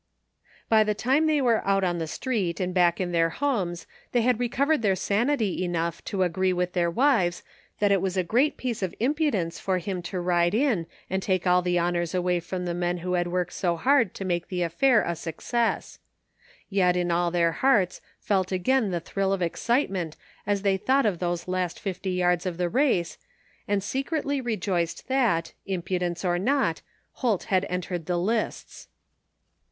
'' By the time they were out on the street and back in their homes they had recovered their sanity enough to agree with their wives that it was a gjeat piece of impudence for him to ride in and take all the honors away from the men who had worked so hard to make the affair a success. Yet all in their hearts felt again the thrill of excitement as they thought of those last fifty yards of the race, and secretly rejoiced that, im pudence or not. Holt had entered the lists.